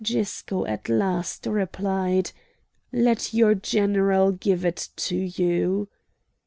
Gisco at last replied: "Let your general give it to you!"